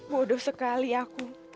waduh sekali aku